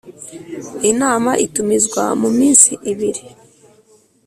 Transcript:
inama itumizwa mu minsi ibiri